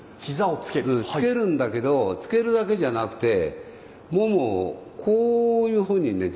つけるんだけどつけるだけじゃなくてももをこういうふうにねじっていくんですよ